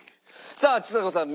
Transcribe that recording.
さあちさ子さん